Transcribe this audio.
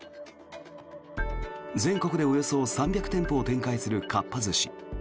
全国でおよそ３００店舗を展開するかっぱ寿司。